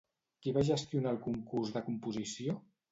Qui va gestionar el concurs de composició?